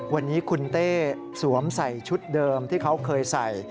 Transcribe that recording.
วันนี้คุณเต้สวมใส่ชุดเดิมที่เขาเคยใส่